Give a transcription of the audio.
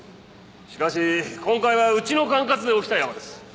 しかし今回はうちの管轄で起きたヤマです。